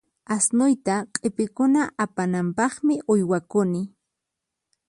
Asnuyta q'ipikuna apananpaqmi uywakuni.